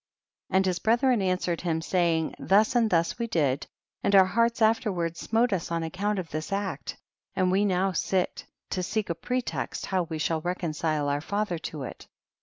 And his brethren answered him saying, thus and thus we did, and our hearts afterward siriote us on ac count of this act, and we 7ioiu sit to seek a pretext how we shall recon cile our father to it.